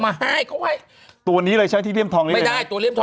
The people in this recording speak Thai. มาให้เขาไว้ตัวนี้เลยชั้นที่เรียมทองไม่ได้ตัวเรียมทอง